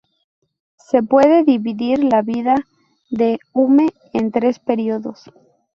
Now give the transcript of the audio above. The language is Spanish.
Se puede dividir la vida de Hume en tres periodos.